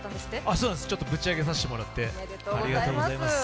そうなんです、ちょっとぶち上げさせてもらって。おめでとうございます。